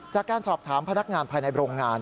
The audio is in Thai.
จากการสอบถามพนักงานภายในโรงงาน